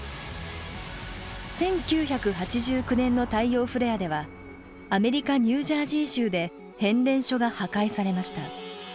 １９８９年の太陽フレアではアメリカニュージャージー州で変電所が破壊されました。